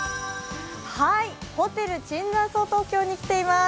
ホテル椿山荘東京に来ています。